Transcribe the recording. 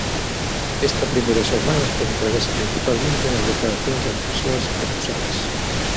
Esta primeira xornada centrarase principalmente nas declaracións das persoas acusadas.